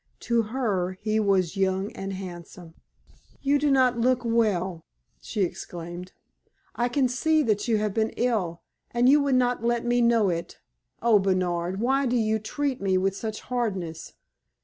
To her he was young and handsome. "You do not look well," she exclaimed. "I can see that you have been ill. And you would not let me know it! Oh, Bernard! why do you treat me with such hardness?